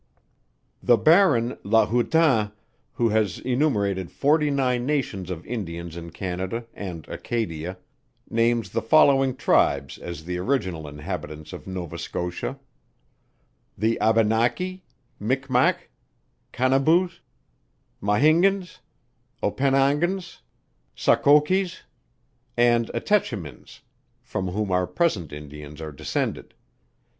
The Baron LA HOUTAN, who has enumerated forty nine Nations of Indians in Canada, and Acadia, names the following Tribes as the original inhabitants of Nova Scotia: The Abenakie, Micmac, Canabus, Mahingans, Openangans, Soccokis, and Etechemins, from whom our present Indians are descended.